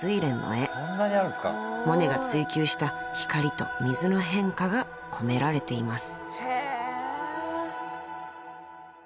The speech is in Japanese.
［モネが追求した光と水の変化が込められています］